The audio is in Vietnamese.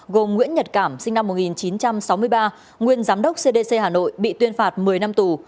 gồm nguyễn nhật cảm sinh năm một nghìn chín trăm sáu mươi ba nguyên giám đốc cdc hà nội bị tuyên phạt một mươi năm tù